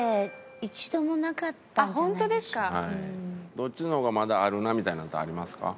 どっちの方がまだあるなみたいなのってありますか？